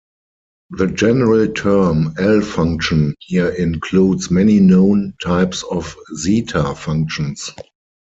The general term "L"-function here includes many known types of zeta-functions.